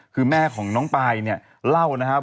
คือแม่ของน้องปายเนี่ยเล่านะครับ